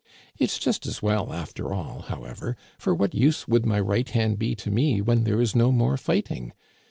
It's just as well after all, however, for what use would my right hand be to me when there is no more fighting?